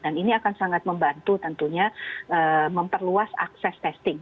dan ini akan sangat membantu tentunya memperluas akses testing